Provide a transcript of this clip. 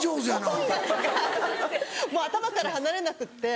もう頭から離れなくって。